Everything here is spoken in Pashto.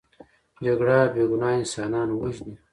جګړه بې ګناه انسانان وژني